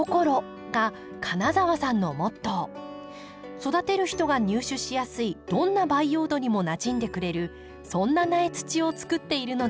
育てる人が入手しやすいどんな培養土にもなじんでくれるそんな苗土をつくっているのです。